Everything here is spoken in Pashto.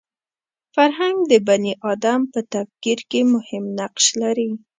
فرهنګ د بني ادم په تفکر کې مهم نقش لري